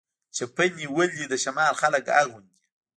چپنې ولې د شمال خلک اغوندي؟